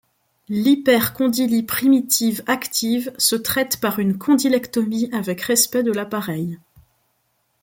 L'hypercondylie primitive active se traite par une condylectomie avec respect de l'appareil.